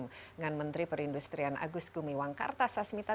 dengan menteri perindustrian agus gumiwang kartasasmita